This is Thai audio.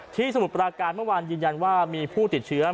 สมุทรปราการเมื่อวานยืนยันว่ามีผู้ติดเชื้อ